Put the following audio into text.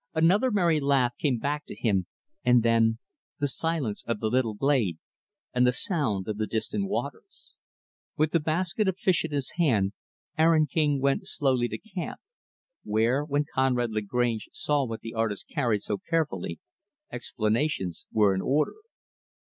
Another merry laugh came back to him and then the silence of the little glade, and the sound of the distant waters. With the basket of fish in his hand, Aaron King went slowly to camp; where, when Conrad Lagrange saw what the artist carried so carefully, explanations were in order.